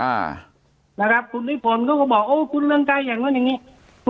อ่านะครับคุณลิพนธ์ก็คงบอกโอ้หูคุณเรืองใกร้ายังไงอย่างงี้